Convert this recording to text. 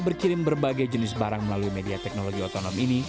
ketika kita menerima berbagai jenis barang melalui media teknologi otonom ini